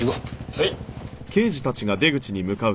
はい！